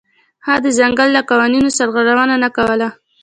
هغه د ځنګل له قوانینو سرغړونه نه کوله.